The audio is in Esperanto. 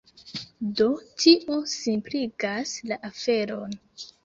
Do tio simpligas la aferon.